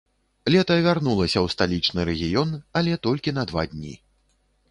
Лета вярнулася ў сталічны рэгіён, але толькі на два дні.